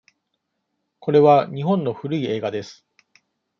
これは日本の古い映画です。